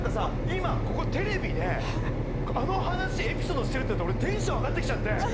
今ここテレビであの話エピソードしてるって俺テンション上がってきちゃって。